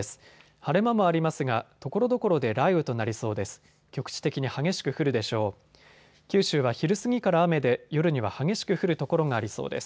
晴れ間もありますがところどころで雷雨となりそうです。